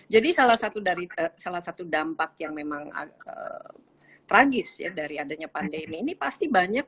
jadi salah satu dari salah satu dampak yang memang tragis ya dari adanya pandemi ini pasti banyak